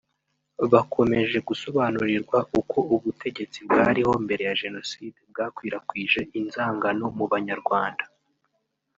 Bakomeje basobanurirwa uko ubutegetsi bwariho mbere ya Jenoside bwakwirakwije inzangano mu banyarwanda